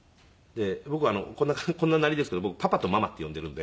僕こんななりですけどパパとママって呼んでいるんで。